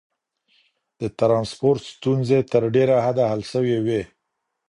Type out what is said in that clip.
د ترانسپورت ستونزي تر ډيره حده حل سوي وې.